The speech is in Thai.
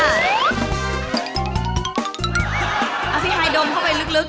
เอาพี่ฮายดมเข้าไปลึกเลย